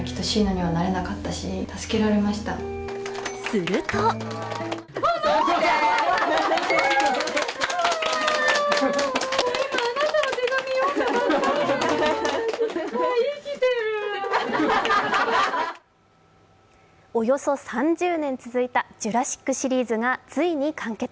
するとおよそ３０年続いた「ジュラシック」シリーズがついに完結。